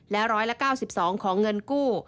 ๑๙๒ของเงินกู้